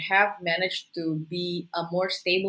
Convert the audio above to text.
mencapai menjadi ekonomi yang lebih stabil